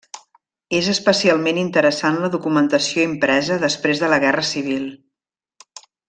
És especialment interessant la documentació impresa després de la Guerra Civil.